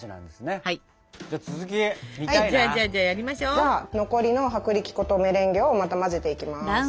じゃあ残りの薄力粉とメレンゲをまた混ぜていきます。